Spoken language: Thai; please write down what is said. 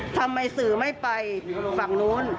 ทำไมสื่อไม่ไปฝั่งนู้น